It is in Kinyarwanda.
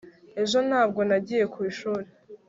ejo ntabwo nagiye ku ishuri